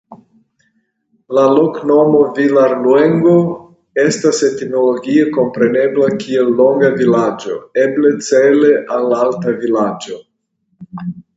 La loknomo "Villarluengo" estas etimologie komprenebla kiel "Longa Vilaĝo" eble cele al "Alta Vilaĝo".